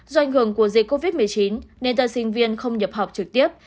do anh hưởng của dịch covid một mươi chín nên tầng sinh viên không nhập học trực tiếp